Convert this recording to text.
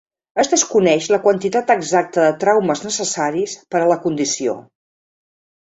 Es desconeix la quantitat exacta de traumes necessaris per a la condició.